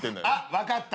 分かった。